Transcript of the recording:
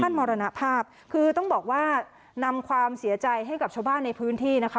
มรณภาพคือต้องบอกว่านำความเสียใจให้กับชาวบ้านในพื้นที่นะคะ